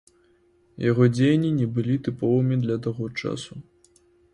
Яго дзеянні не былі тыповымі для таго часу.